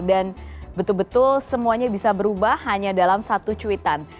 dan betul betul semuanya bisa berubah hanya dalam satu cuitan